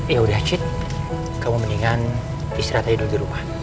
ya udah cid kamu mendingan istirahat tidur di rumah